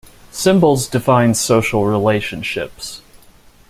Symbols define social relationships.